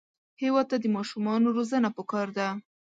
هېواد ته د ماشومانو روزنه پکار ده